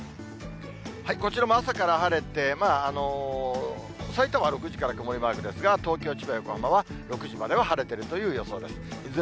こちらも朝から晴れて、まあ、さいたまは６時から曇りマークですが、東京、千葉、横浜は６時までは晴れてるという予想です。